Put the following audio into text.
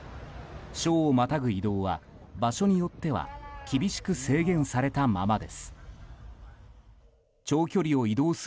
省をまたぐ移動は場所によっては厳しく制限されたままです。